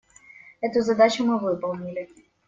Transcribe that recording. Эту задачу мы выполнили.